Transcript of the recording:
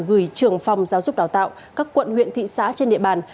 gửi trưởng phòng giáo dục đào tạo các quận huyện thị xã trên địa bàn